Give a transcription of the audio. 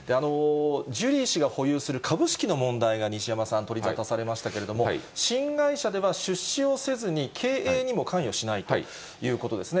ジュリー氏が保有する株式の問題が、西山さん、取りざたされましたけれども、新会社では出資をせずに、経営にも関与しないということですね。